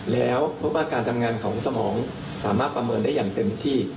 แล้วพบว่าการทำงานของสมองสามารถประเมินได้อย่างเต็มที่